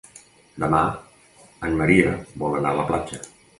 Demà en Maria vol anar a la platja.